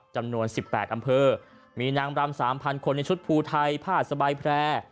จำนวน๑๘อำเภอมีนางรำ๓๐๐คนในชุดภูไทยผ้าสบายแพร่